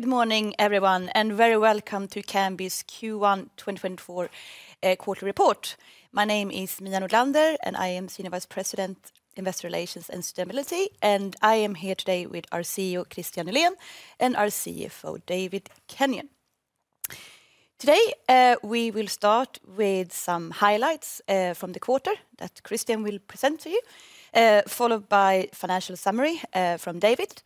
Good morning, everyone, and very welcome to Kambi's Q1 2024 quarterly report. My name is Mia Nordlander, and I am Senior Vice President, Investor Relations and Sustainability, and I am here today with our CEO, Kristian Nylén, and our CFO, David Kenyon. Today we will start with some highlights from the quarter that Kristian will present to you, followed by a financial summary from David.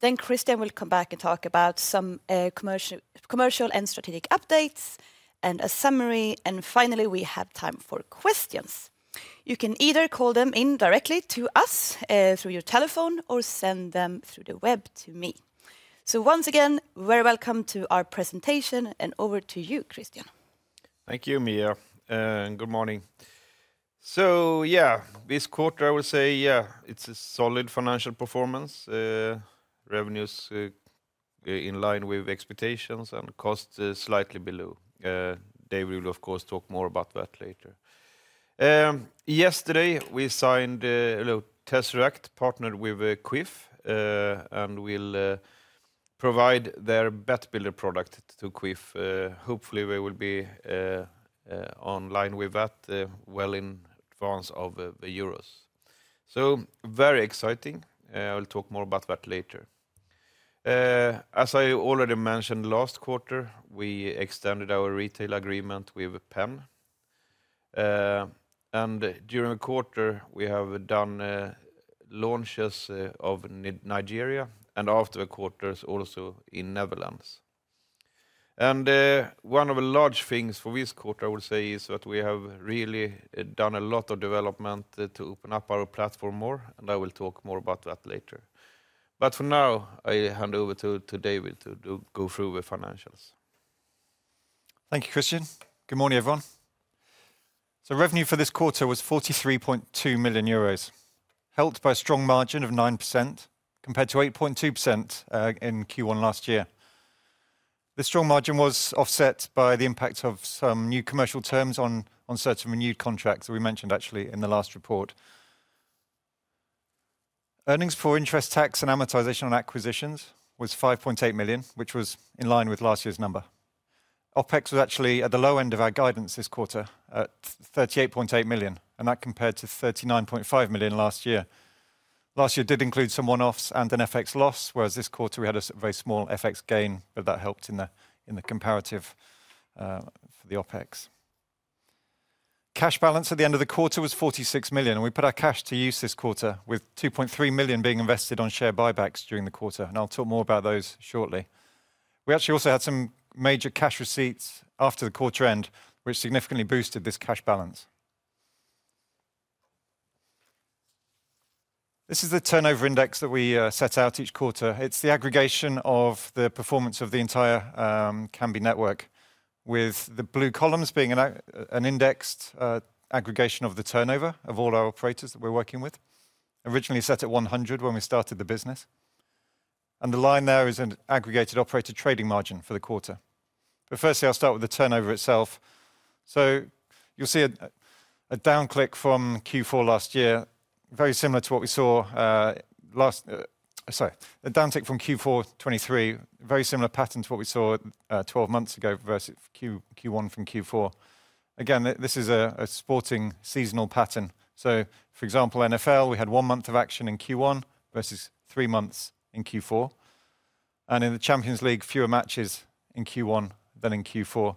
Then Kristian will come back and talk about some commercial and strategic updates, and a summary, and finally we have time for questions. You can either call them in directly to us through your telephone or send them through the web to me. So once again, very welcome to our presentation, and over to you, Kristian. Thank you, Mia. Good morning. So yeah, this quarter I would say, yeah, it's a solid financial performance, revenues in line with expectations, and costs slightly below. David will, of course, talk more about that later. Yesterday we signed a Tzeract, partnered with Kwiff, and will provide their Bet Builder product to Kwiff. Hopefully we will be online with that well in advance of the Euros. So very exciting. I will talk more about that later. As I already mentioned, last quarter we extended our retail agreement with Penn. And during the quarter we have done launches of Nigeria, and after the quarter also in Netherlands. And one of the large things for this quarter I would say is that we have really done a lot of development to open up our platform more, and I will talk more about that later. But for now I hand over to David to go through the financials. Thank you, Kristian. Good morning, everyone. So revenue for this quarter was 43.2 million euros, held by a strong margin of 9% compared to 8.2% in Q1 last year. This strong margin was offset by the impact of some new commercial terms on certain renewed contracts that we mentioned actually in the last report. Earnings before interest, tax, and amortization on acquisitions was 5.8 million, which was in line with last year's number. OPEX was actually at the low end of our guidance this quarter, at 38.8 million, and that compared to 39.5 million last year. Last year did include some one-offs and an FX loss, whereas this quarter we had a very small FX gain, but that helped in the comparative for the OPEX. Cash balance at the end of the quarter was 46 million, and we put our cash to use this quarter, with 2.3 million being invested on share buybacks during the quarter, and I'll talk more about those shortly. We actually also had some major cash receipts after the quarter end, which significantly boosted this cash balance. This is the turnover index that we set out each quarter. It's the aggregation of the performance of the entire Kambi network, with the blue columns being an indexed aggregation of the turnover of all our operators that we're working with, originally set at 100 when we started the business. And the line there is an aggregated operator trading margin for the quarter. Firstly I'll start with the turnover itself. So you'll see a downclick from Q4 last year, very similar to what we saw last sorry, a downtick from Q4 2023, very similar pattern to what we saw 12 months ago versus Q1 from Q4. Again, this is a sporting seasonal pattern. So for example, NFL, we had one month of action in Q1 versus three months in Q4. And in the Champions League, fewer matches in Q1 than in Q4.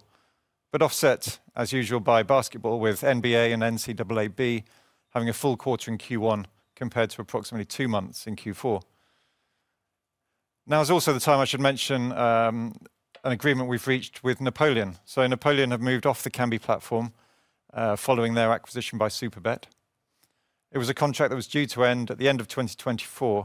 But offset, as usual, by basketball with NBA and NCAAB having a full quarter in Q1 compared to approximately two months in Q4. Now is also the time I should mention an agreement we've reached with Napoleon. So Napoleon have moved off the Kambi platform following their acquisition by Superbet. It was a contract that was due to end at the end of 2024.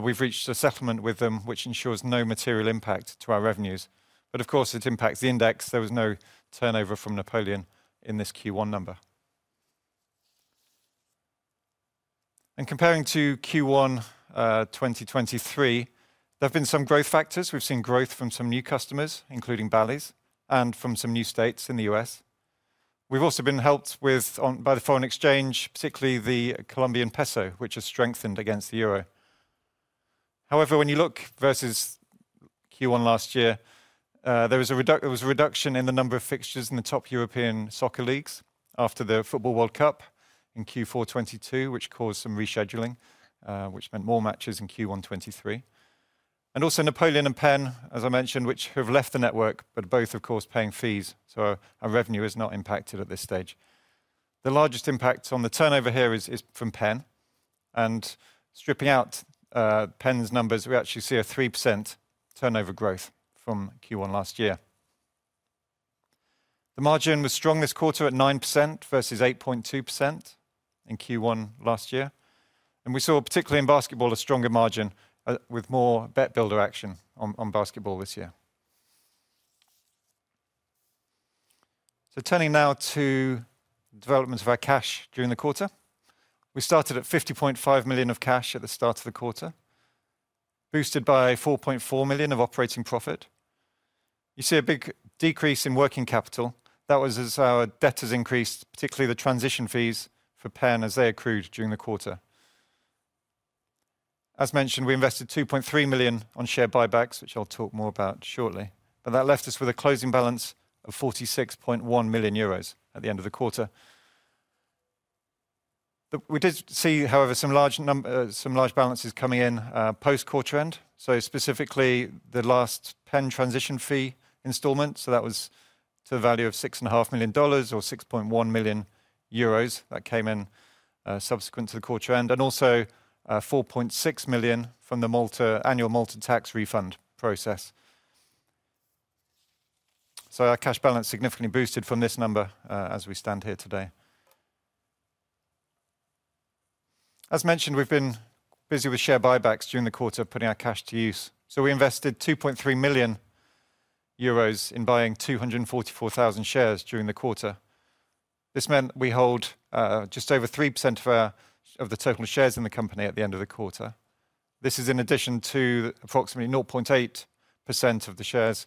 We've reached a settlement with them, which ensures no material impact to our revenues. But of course it impacts the index. There was no turnover from Napoleon in this Q1 number. Comparing to Q1 2023, there have been some growth factors. We've seen growth from some new customers, including Bally's, and from some new states in the U.S. We've also been helped by the foreign exchange, particularly the Colombian peso, which has strengthened against the euro. However, when you look versus Q1 last year, there was a reduction in the number of fixtures in the top European soccer leagues after the Football World Cup in Q4 2022, which caused some rescheduling, which meant more matches in Q1 2023. Also Napoleon and Penn, as I mentioned, which have left the network, but both of course paying fees. So our revenue is not impacted at this stage. The largest impact on the turnover here is from Penn. Stripping out Penn's numbers, we actually see a 3% turnover growth from Q1 last year. The margin was strong this quarter at 9% versus 8.2% in Q1 last year. We saw, particularly in basketball, a stronger margin with more Bet Builder action on basketball this year. Turning now to developments of our cash during the quarter. We started at 50.5 million of cash at the start of the quarter, boosted by 4.4 million of operating profit. You see a big decrease in working capital. That was as our debtors increased, particularly the transition fees for Penn as they accrued during the quarter. As mentioned, we invested 2.3 million on share buybacks, which I'll talk more about shortly. That left us with a closing balance of 46.1 million euros at the end of the quarter. We did see, however, some large balances coming in post-quarter end, so specifically the last Penn transition fee installment. So that was to the value of $6.5 million or 6.1 million euros that came in subsequent to the quarter end, and also 4.6 million from the annual Malta tax refund process. So our cash balance significantly boosted from this number as we stand here today. As mentioned, we've been busy with share buybacks during the quarter, putting our cash to use. So we invested 2.3 million euros in buying 244,000 shares during the quarter. This meant we hold just over 3% of the total shares in the company at the end of the quarter. This is in addition to approximately 0.8% of the shares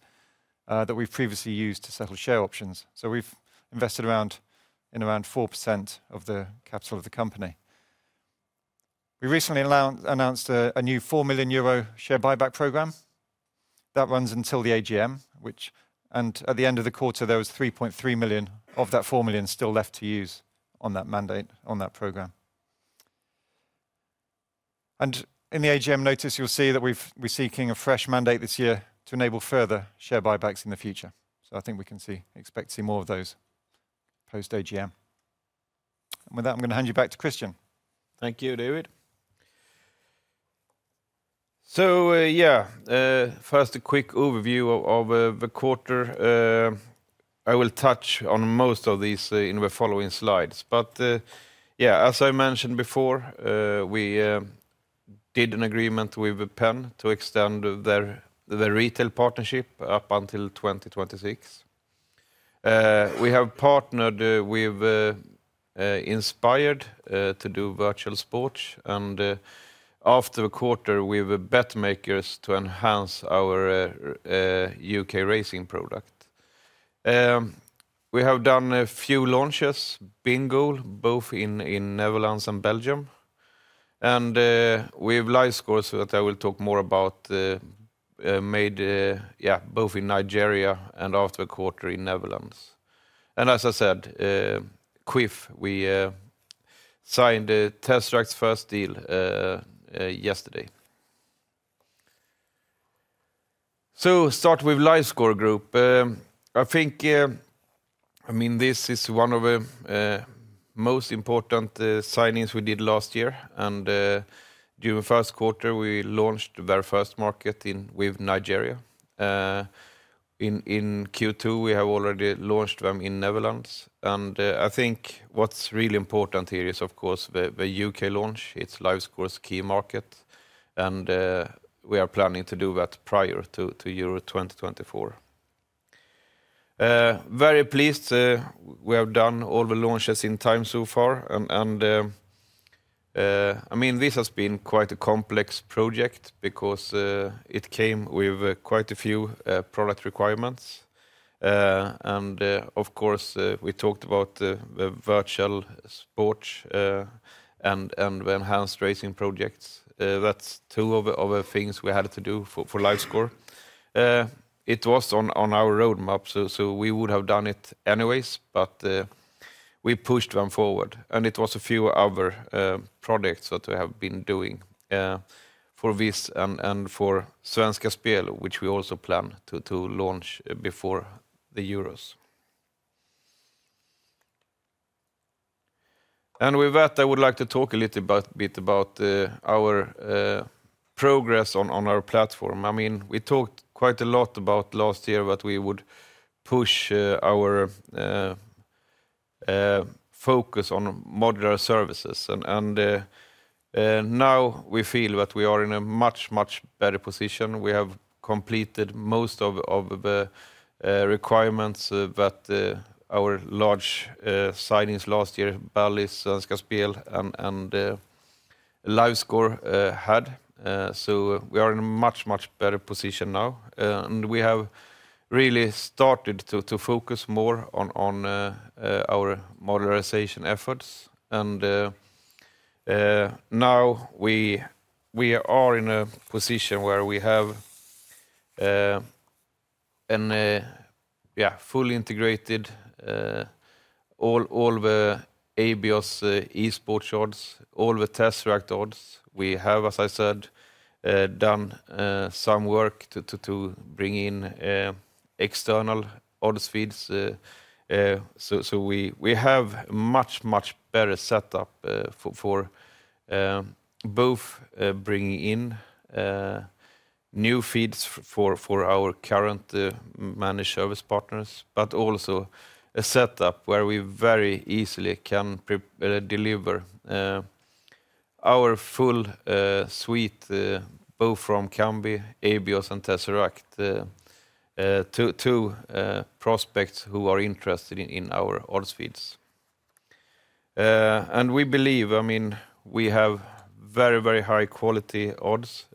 that we've previously used to settle share options. So we've invested in around 4% of the capital of the company. We recently announced a new 4 million euro share buyback program. That runs until the AGM, and at the end of the quarter there was 3.3 million of that 4 million still left to use on that program. In the AGM notice you'll see that we're seeking a fresh mandate this year to enable further share buybacks in the future. I think we can expect to see more of those post-AGM. With that I'm going to hand you back to Kristian. Thank you, David. So yeah, first a quick overview of the quarter. I will touch on most of these in the following slides. But yeah, as I mentioned before, we did an agreement with Penn to extend their retail partnership up until 2026. We have partnered with Inspired to do virtual sports, and after the quarter with BetMakers to enhance our UK racing product. We have done a few launches, Bingoal, both in Netherlands and Belgium. We have LiveScore that I will talk more about, live both in Nigeria and after the quarter in Netherlands. As I said, Kwiff, we signed Tzeract's first deal yesterday. So start with LiveScore Group. I think this is one of the most important signings we did last year. During the first quarter we launched their first market with Nigeria. In Q2 we have already launched them in Netherlands. I think what's really important here is, of course, the UK launch. It's LiveScore's key market, and we are planning to do that prior to Euro 2024. Very pleased we have done all the launches in time so far. This has been quite a complex project because it came with quite a few product requirements. Of course we talked about the virtual sports and the enhanced racing projects. That's two of the things we had to do for LiveScore. It was on our roadmap, so we would have done it anyways, but we pushed them forward. It was a few other projects that we have been doing for this and for Svenska Spel, which we also plan to launch before the Euros. With that I would like to talk a bit about our progress on our platform. We talked quite a lot about last year that we would push our focus on modular services. And now we feel that we are in a much, much better position. We have completed most of the requirements that our large signings last year, Bally's, Svenska Spel, and LiveScore had. So we are in a much, much better position now. And we have really started to focus more on our modularization efforts. And now we are in a position where we have a fully integrated all the Abios esports odds, all the Tzeract odds. We have, as I said, done some work to bring in external odds feeds. So we have a much, much better setup for both bringing in new feeds for our current managed service partners, but also a setup where we very easily can deliver our full suite, both from Kambi, Abios, and Tzeract to prospects who are interested in our odds feeds. And we believe we have very, very high-quality odds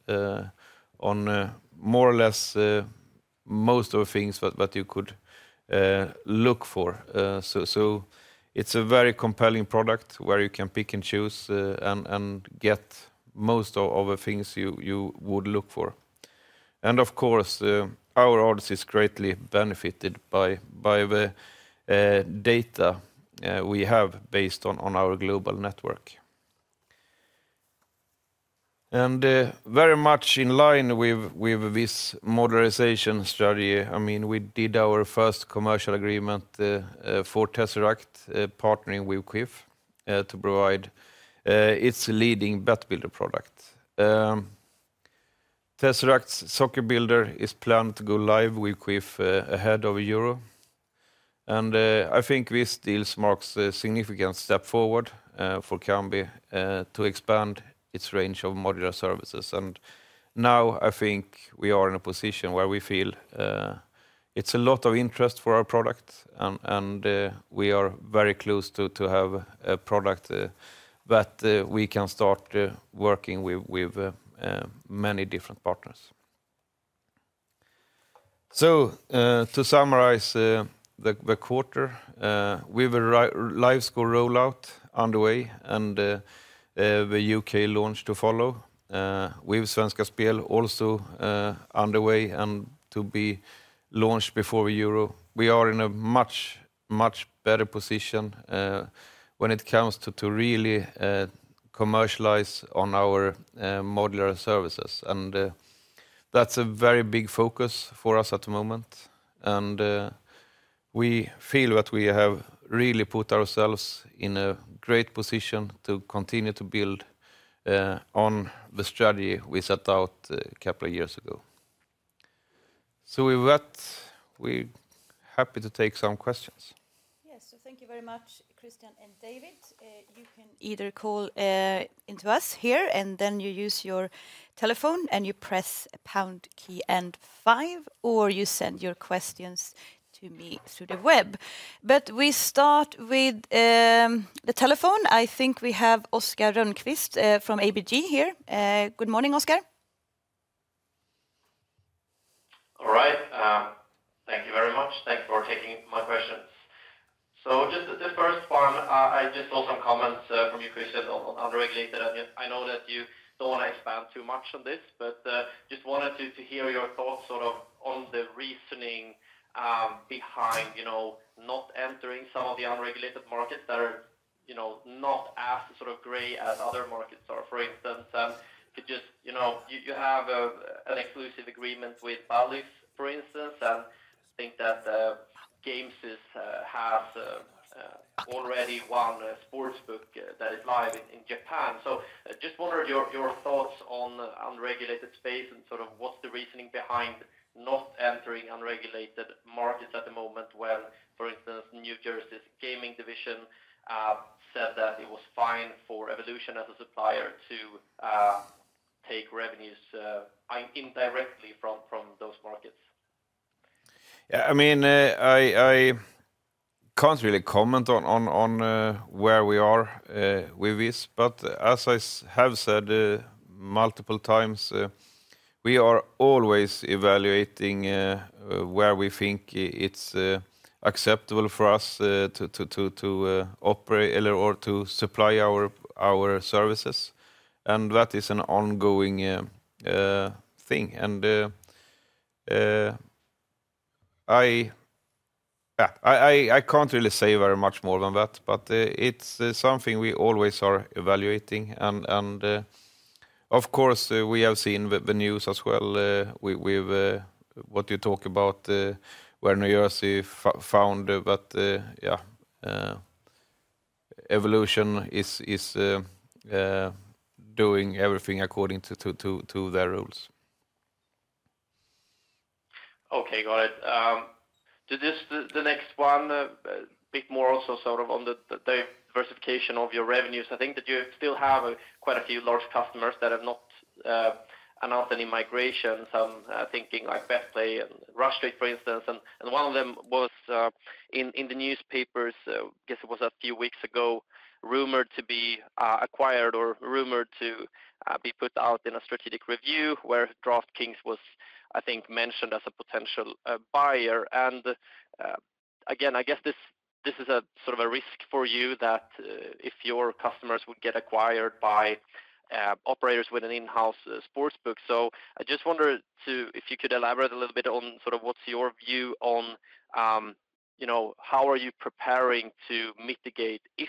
on more or less most of the things that you could look for. So it's a very compelling product where you can pick and choose and get most of the things you would look for. And of course our odds are greatly benefited by the data we have based on our global network. And very much in line with this modularization strategy, we did our first commercial agreement for Tzeract partnering with Kwiff to provide its leading Bet Builder product. Tzeract's soccer builder is planned to go live with Kwiff ahead of the Euro. I think this deal marks a significant step forward for Kambi to expand its range of modular services. Now I think we are in a position where we feel it's a lot of interest for our product, and we are very close to having a product that we can start working with many different partners. To summarize the quarter, with the LiveScore rollout underway and the UK launch to follow, with Svenska Spel also underway and to be launched before the Euro, we are in a much, much better position when it comes to really commercializing our modular services. That's a very big focus for us at the moment. We feel that we have really put ourselves in a great position to continue to build on the strategy we set out a couple of years ago. With that, we're happy to take some questions. Yes, so thank you very much, Christian and David. You can either call into us here, and then you use your telephone and you press a pound key and five, or you send your questions to me through the web. But we start with the telephone. I think we have Oskar Rönnqvist from ABG here. Good morning, Oskar. All right. Thank you very much. Thanks for taking my questions. So just the first one, I just saw some comments from you, Kristian, on unregulated. And I know that you don't want to expand too much on this, but just wanted to hear your thoughts sort of on the reasoning behind not entering some of the unregulated markets that are not as gray as other markets are, for instance. And you have an exclusive agreement with Bally's, for instance, and I think that Gamesys has already won a sportsbook that is live in Japan. So just wondered your thoughts on unregulated space and sort of what's the reasoning behind not entering unregulated markets at the moment when, for instance, New Jersey's gaming division said that it was fine for Evolution as a supplier to take revenues indirectly from those markets? Yeah, I mean, I can't really comment on where we are with this. But as I have said multiple times, we are always evaluating where we think it's acceptable for us to operate or to supply our services. And that is an ongoing thing. And I can't really say very much more than that, but it's something we always are evaluating. And of course we have seen the news as well with what you talk about where New Jersey found that Evolution is doing everything according to their rules. OK, got it. The next one, a bit more also sort of on the diversification of your revenues. I think that you still have quite a few large customers that have not announced any migration, some thinking like BetPlay and Rush Street, for instance. And one of them was in the newspapers, I guess it was a few weeks ago, rumored to be acquired or rumored to be put out in a strategic review where DraftKings was, I think, mentioned as a potential buyer. And again, I guess this is sort of a risk for you that if your customers would get acquired by operators with an in-house sportsbook. So I just wondered if you could elaborate a little bit on sort of what's your view on how are you preparing to mitigate if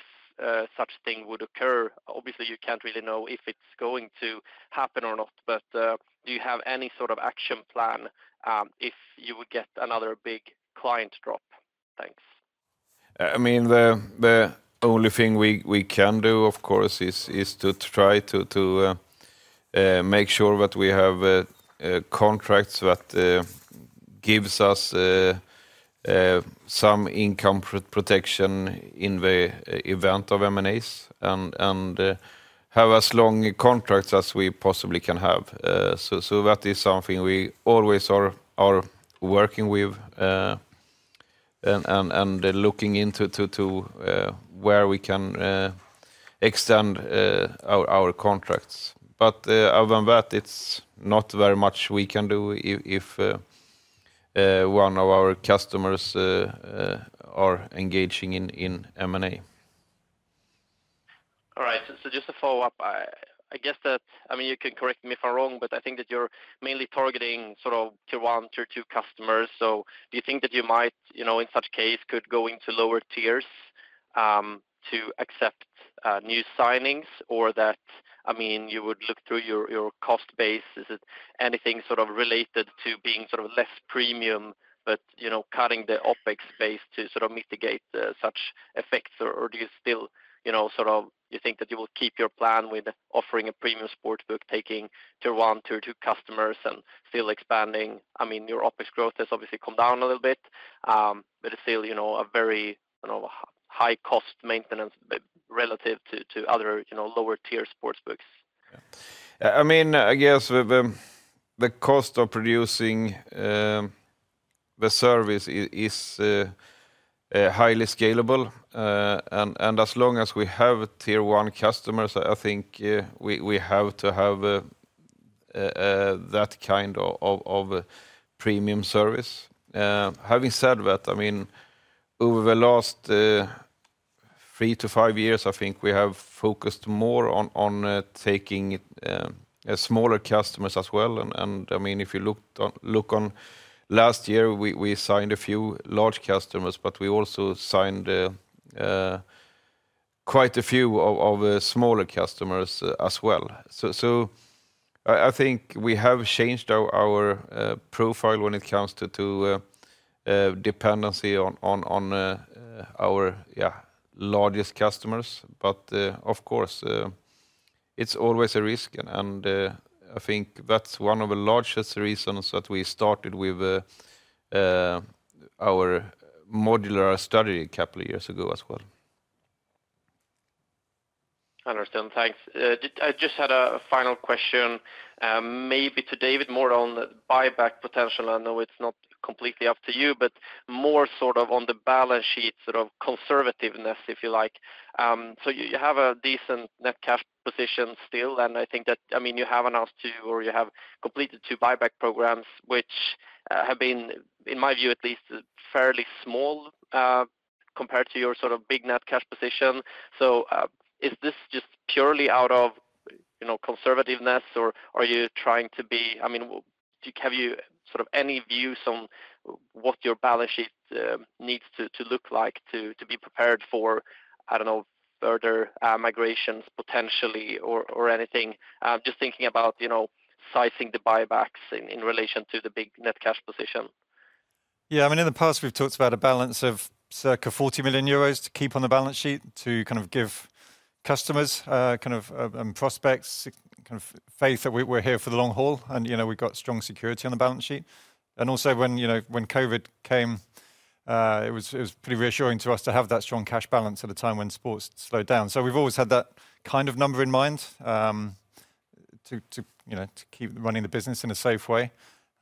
such a thing would occur? Obviously you can't really know if it's going to happen or not, but do you have any sort of action plan if you would get another big client drop? Thanks. I mean, the only thing we can do, of course, is to try to make sure that we have contracts that give us some income protection in the event of M&As and have as long contracts as we possibly can have. So that is something we always are working with and looking into where we can extend our contracts. But other than that, it's not very much we can do if one of our customers is engaging in M&A. All right. So just to follow up, I guess that you can correct me if I'm wrong, but I think that you're mainly targeting sort of Tier 1, Tier 2 customers. So do you think that you might, in such case, could go into lower tiers to accept new signings, or that you would look through your cost base? Is it anything sort of related to being sort of less premium but cutting the OPEX base to sort of mitigate such effects? Or do you still sort of think that you will keep your plan with offering a premium sportsbook, taking Tier 1, Tier 2 customers, and still expanding? Your OPEX growth has obviously come down a little bit, but it's still a very high-cost maintenance relative to other lower-tier sportsbooks. I mean, I guess the cost of producing the service is highly scalable. And as long as we have Tier 1 customers, I think we have to have that kind of premium service. Having said that, over the last 3-5 years, I think we have focused more on taking smaller customers as well. And if you look on last year, we signed a few large customers, but we also signed quite a few of smaller customers as well. So I think we have changed our profile when it comes to dependency on our largest customers. But of course, it's always a risk. And I think that's one of the largest reasons that we started with our modular strategy a couple of years ago as well. Understood. Thanks. I just had a final question, maybe to David, more on buyback potential. I know it's not completely up to you, but more sort of on the balance sheet sort of conservativeness, if you like. So you have a decent net cash position still, and I think that you have announced two or you have completed two buyback programs, which have been, in my view at least, fairly small compared to your sort of big net cash position. So is this just purely out of conservativeness, or are you trying to be have you sort of any views on what your balance sheet needs to look like to be prepared for, I don't know, further migrations potentially or anything? Just thinking about sizing the buybacks in relation to the big net cash position. Yeah, I mean, in the past we've talked about a balance of circa 40 million euros to keep on the balance sheet to kind of give customers and prospects kind of faith that we're here for the long haul and we've got strong security on the balance sheet. And also when COVID came, it was pretty reassuring to us to have that strong cash balance at a time when sports slowed down. So we've always had that kind of number in mind to keep running the business in a safe way.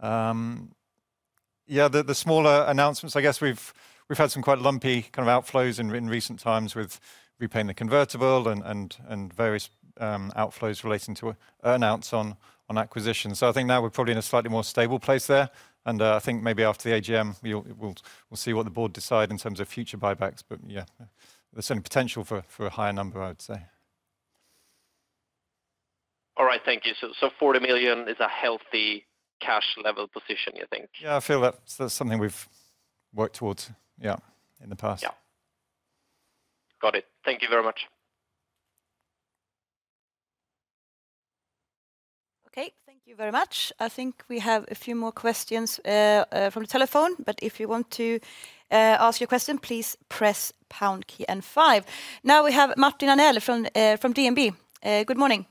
Yeah, the smaller announcements, I guess we've had some quite lumpy kind of outflows in recent times with repaying the convertible and various outflows relating to earnouts on acquisitions. So I think now we're probably in a slightly more stable place there. And I think maybe after the AGM, we'll see what the board decides in terms of future buybacks. But yeah, there's certainly potential for a higher number, I would say. All right, thank you. So 40 million is a healthy cash level position, you think? Yeah, I feel that's something we've worked towards, yeah, in the past. Yeah. Got it. Thank you very much. OK, thank you very much. I think we have a few more questions from the telephone, but if you want to ask your question, please press pound key and five. Now we have Martin Arnell from DNB. Good morning.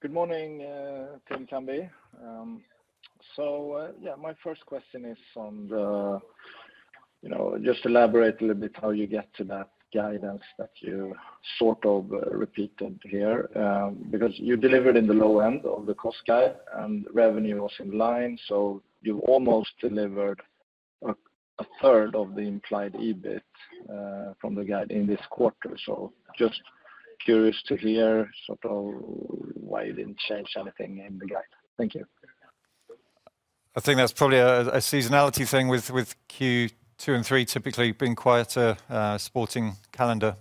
Good morning from Kambi. So yeah, my first question is just to elaborate a little bit how you get to that guidance that you sort of repeated here. Because you delivered in the low end of the cost guide, and revenue was in line, so you've almost delivered a third of the implied EBIT from the guide in this quarter. So just curious to hear sort of why you didn't change anything in the guide. Thank you. I think that's probably a seasonality thing with Q2 and 3 typically being quieter sporting calendar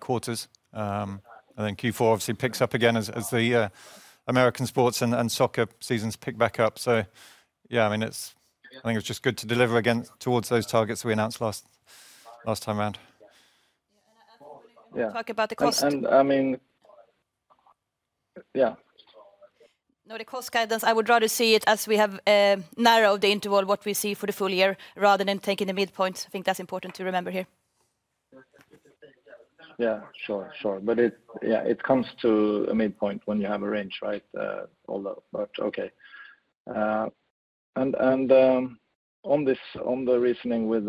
quarters. And then Q4 obviously picks up again as the American sports and soccer seasons pick back up. So yeah, I mean, I think it's just good to deliver towards those targets we announced last time around. I think we'll talk about the cost. I mean, yeah. No, the cost guidance, I would rather see it as we have narrowed the interval, what we see for the full year, rather than taking the midpoint. I think that's important to remember here. Yeah, sure, sure. But yeah, it comes to a midpoint when you have a range, right? But OK. And on the reasoning with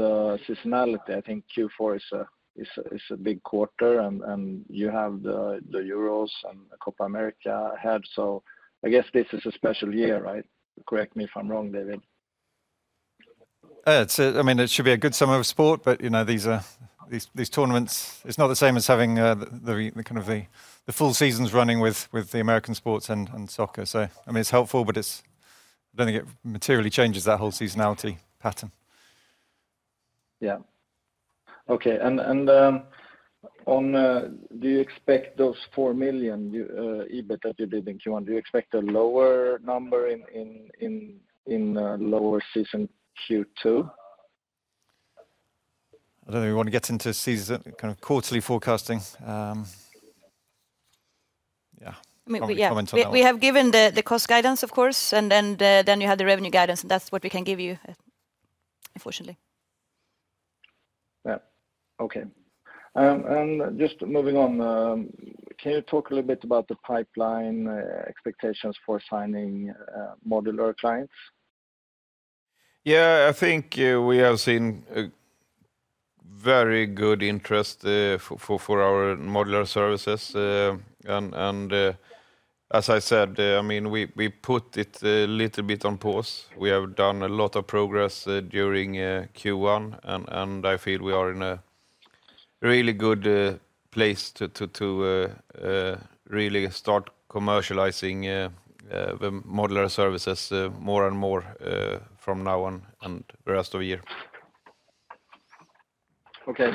seasonality, I think Q4 is a big quarter, and you have the Euros and the Copa America ahead. So I guess this is a special year, right? Correct me if I'm wrong, David. I mean, it should be a good summer of sport, but these tournaments, it's not the same as having kind of the full seasons running with the American sports and soccer. So I mean, it's helpful, but I don't think it materially changes that whole seasonality pattern. Yeah. OK, and do you expect those 4 million EBIT that you did in Q1, do you expect a lower number in lower season Q2? I don't know if you want to get into kind of quarterly forecasting. Yeah. I mean, we have given the cost guidance, of course, and then you have the revenue guidance, and that's what we can give you, unfortunately. Yeah. OK. Just moving on, can you talk a little bit about the pipeline expectations for signing modular clients? Yeah, I think we have seen very good interest for our modular services. As I said, I mean, we put it a little bit on pause. We have done a lot of progress during Q1, and I feel we are in a really good place to really start commercializing the modular services more and more from now on and the rest of the year. OK,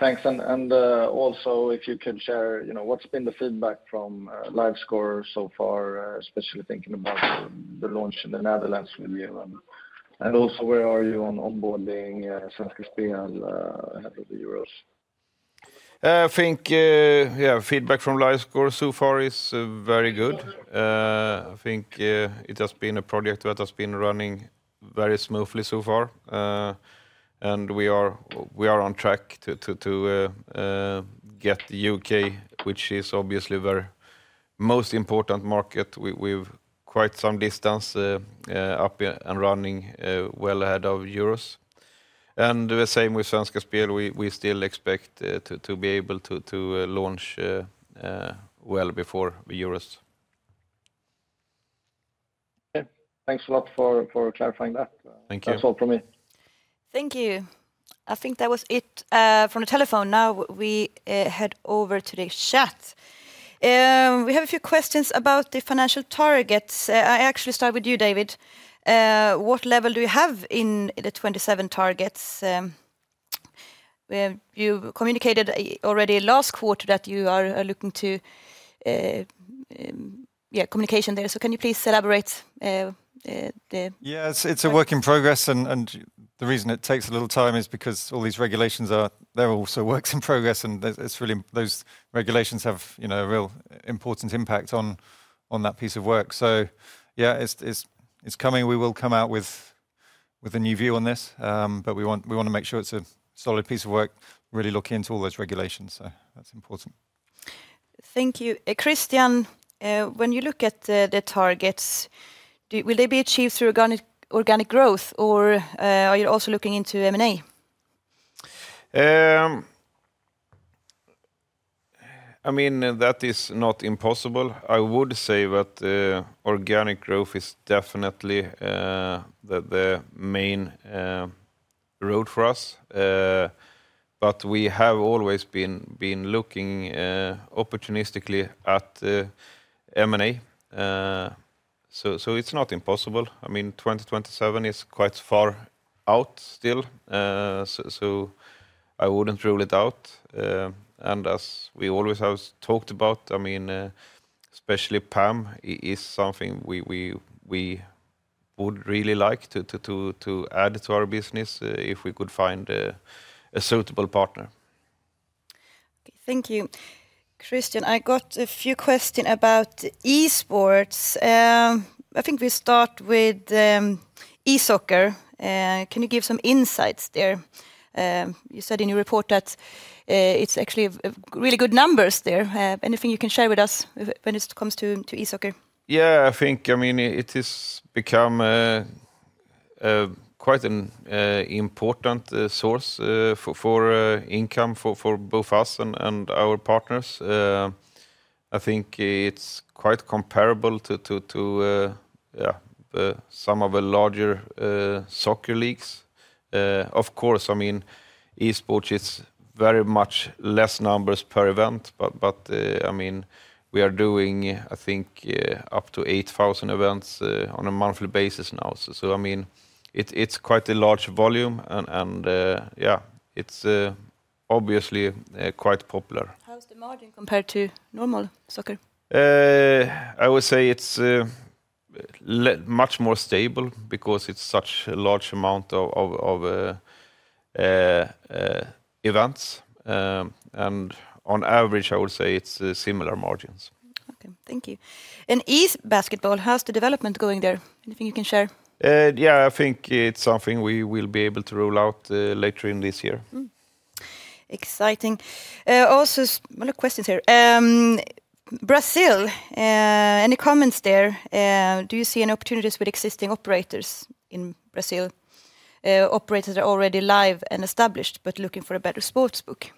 thanks. And also, if you can share what's been the feedback from LiveScore so far, especially thinking about the launch in the Netherlands with you? And also, where are you on onboarding Svenska Spel ahead of the Euros? I think feedback from LiveScore so far is very good. I think it has been a project that has been running very smoothly so far. We are on track to get the UK, which is obviously the most important market. We've quite some distance up and running well ahead of the Euros. The same with Svenska Spel, we still expect to be able to launch well before the Euros. Thanks a lot for clarifying that. Thank you. That's all from me. Thank you. I think that was it from the telephone. Now we head over to the chat. We have a few questions about the financial targets. I actually start with you, David. What level do you have in the 2027 targets? You communicated already last quarter that you are looking to communication there. So can you please elaborate the? Yeah, it's a work in progress. The reason it takes a little time is because all these regulations, they're also works in progress. Those regulations have a real important impact on that piece of work. So yeah, it's coming. We will come out with a new view on this, but we want to make sure it's a solid piece of work, really looking into all those regulations. So that's important. Thank you. Kristian, when you look at the targets, will they be achieved through organic growth, or are you also looking into M&A? I mean, that is not impossible. I would say that organic growth is definitely the main road for us. But we have always been looking opportunistically at M&A. So it's not impossible. I mean, 2027 is quite far out still, so I wouldn't rule it out. And as we always have talked about, especially Penn, is something we would really like to add to our business if we could find a suitable partner. Thank you. Kristian, I got a few questions about Esports. I think we'll start with eSoccer. Can you give some insights there? You said in your report that it's actually really good numbers there. Anything you can share with us when it comes to eSoccer? Yeah, I think it has become quite an important source for income for both us and our partners. I think it's quite comparable to some of the larger soccer leagues. Of course, esports, it's very much less numbers per event. But we are doing, I think, up to 8,000 events on a monthly basis now. So it's quite a large volume. And yeah, it's obviously quite popular. How's the margin compared to normal soccer? I would say it's much more stable because it's such a large amount of events. On average, I would say it's similar margins. OK, thank you. And eBasketball, how's the development going there? Anything you can share? Yeah, I think it's something we will be able to roll out later in this year. Exciting. Also, a lot of questions here. Brazil, any comments there? Do you see any opportunities with existing operators in Brazil? Operators that are already live and established but looking for a better sportsbook?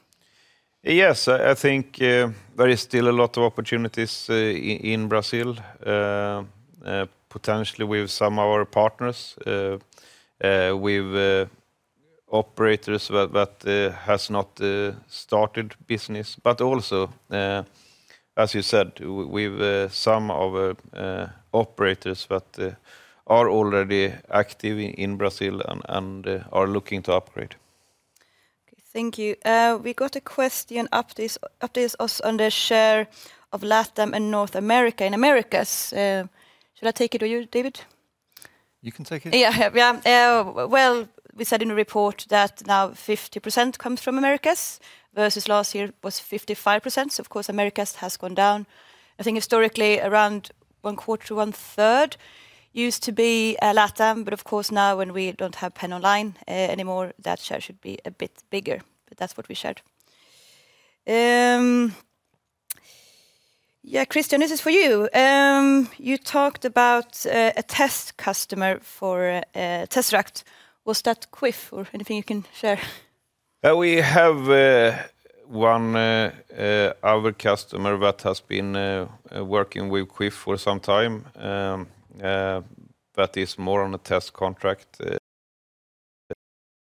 Yes, I think there is still a lot of opportunities in Brazil, potentially with some of our partners, with operators that have not started business. But also, as you said, we have some of the operators that are already active in Brazil and are looking to upgrade. OK, thank you. We got a question up to us on the share of LATAM and North America in Americas. Should I take it to you, David? You can take it. Yeah, yeah. Well, we said in the report that now 50% comes from Americas versus last year it was 55%. So of course, Americas has gone down. I think historically around one quarter to one third used to be LATAM. But of course, now when we don't have Penn online anymore, that share should be a bit bigger. But that's what we shared. Yeah, Kristian, this is for you. You talked about a test customer for Tzeract. Was that Kwiff or anything you can share? We have one other customer that has been working with Kwiff for some time, but is more on a test contract. There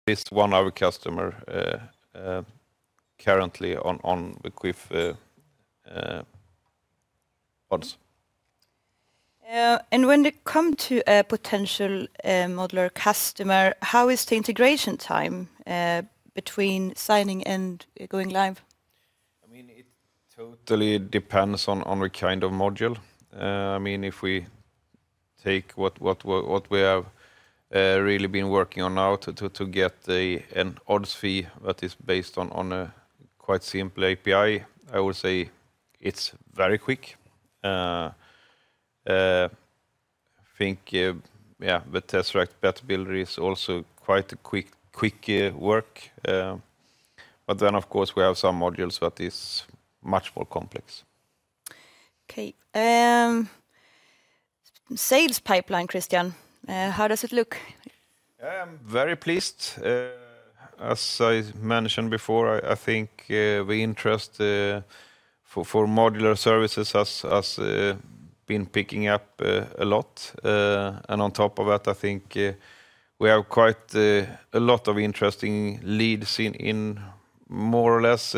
is one other customer currently on the Kwiff odds. When it comes to a potential modular customer, how is the integration time between signing and going live? I mean, it totally depends on the kind of module. I mean, if we take what we have really been working on now to get an odds feed that is based on a quite simple API, I would say it's very quick. I think the Tzeract Bet Builder is also quite quick work. But then, of course, we have some modules that are much more complex. OK. Sales pipeline, Kristian, how does it look? I am very pleased. As I mentioned before, I think the interest for modular services has been picking up a lot. And on top of that, I think we have quite a lot of interesting leads in more or less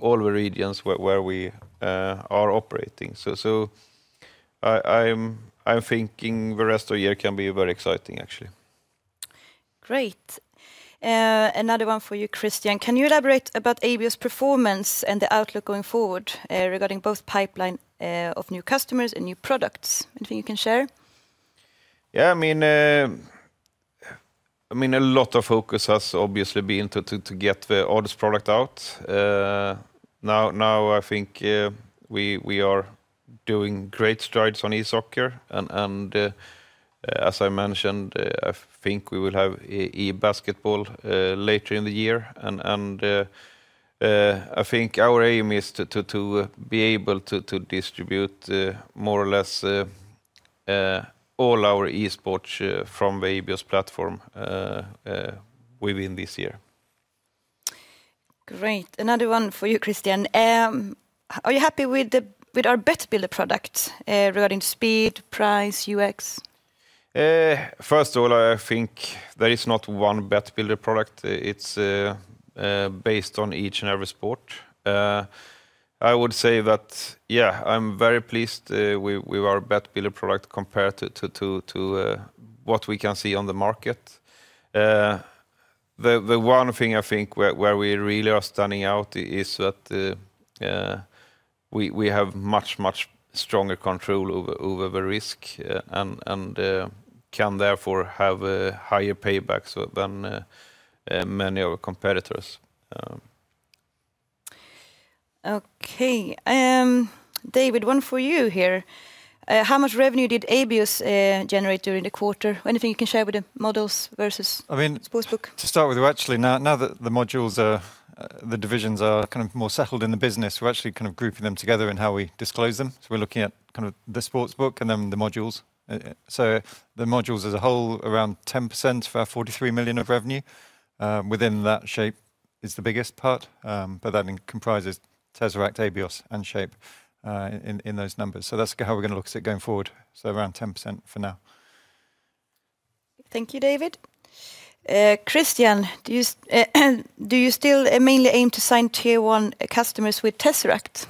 all the regions where we are operating. So I'm thinking the rest of the year can be very exciting, actually. Great. Another one for you, Kristian. Can you elaborate about Abios's performance and the outlook going forward regarding both pipeline of new customers and new products? Anything you can share? Yeah, I mean, a lot of focus has obviously been to get the odds product out. Now I think we are doing great strides on e-soccer. And as I mentioned, I think we will have eBasketball later in the year. And I think our aim is to be able to distribute more or less all our esports from the Abios's platform within this year. Great. Another one for you, Kristian. Are you happy with our Bet Builder product regarding speed, price, UX? First of all, I think there is not one Bet Builder product. It's based on each and every sport. I would say that, yeah, I'm very pleased with our Bet Builder product compared to what we can see on the market. The one thing I think where we really are standing out is that we have much, much stronger control over the risk and can therefore have higher paybacks than many of our competitors. OK. David, one for you here. How much revenue did Abios generate during the quarter? Anything you can share with the models versus sportsbook? To start with, actually, now that the modules, the divisions are kind of more settled in the business, we're actually kind of grouping them together in how we disclose them. So we're looking at kind of the sportsbook and then the modules. So the modules as a whole, around 10% for our 43 million of revenue. Within that Shape is the biggest part. But that comprises Tzeract, Abios, and Shape in those numbers. So that's how we're going to look at it going forward. So around 10% for now. Thank you, David. Kristian, do you still mainly aim to sign Tier 1 customers with Tzeract?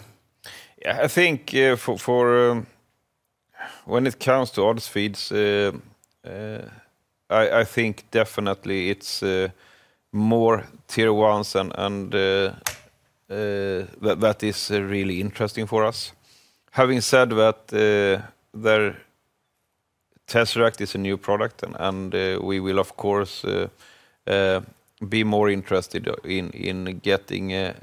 Yeah, I think when it comes to odds feeds, I think definitely it's more Tier 1s, and that is really interesting for us. Having said that, Tzeract is a new product, and we will, of course, be more interested in getting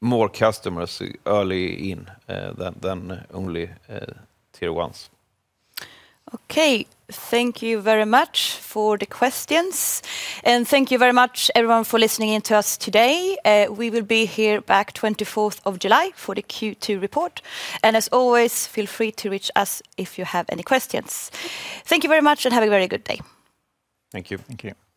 more customers early in than only Tier 1s. OK. Thank you very much for the questions. Thank you very much, everyone, for listening in to us today. We will be here back 24th of July for the Q2 report. As always, feel free to reach us if you have any questions. Thank you very much and have a very good day. Thank you. Thank you.